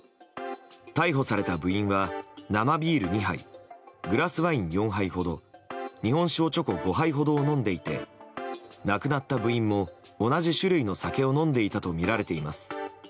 逮捕された部員は、生ビール２杯グラスワイン４杯ほど日本酒おちょこ５杯ほどを飲んでいて亡くなった部員も同じ種類の酒を飲んでいたとみられています。